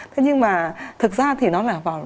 thế nhưng mà thực ra thì nó là vào